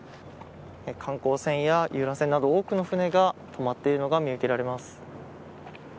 観光船や遊覧船など多くの船が止まっているのが見受けられます。